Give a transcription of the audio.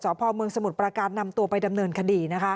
สพมสมุทรประการนำตัวไปดำเนินคดี